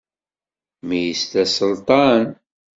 Mi yesla Selṭan.